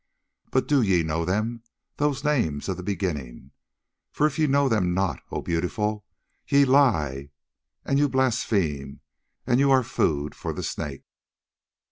But do ye know them, those names of the beginning? For if ye know them not, O Beautiful, ye lie and ye blaspheme, and ye are food for the Snake."